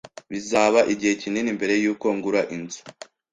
Bizaba igihe kinini mbere yuko ngura inzu